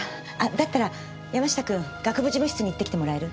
だったら山下君学部事務室に行ってきてもらえる？